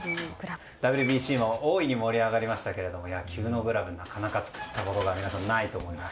ＷＢＣも大いに盛り上がりましたけども野球のグラブを作ったことはなかなかないと思います。